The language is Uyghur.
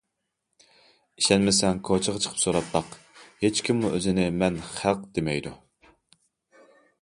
ئىشەنمىسەڭ كوچىغا چىقىپ سوراپ باق، ھېچكىممۇ ئۆزىنى« مەن خەلق» دېمەيدۇ.